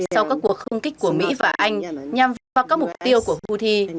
sau các cuộc không kích của mỹ và anh nhằm vào các mục tiêu của houthi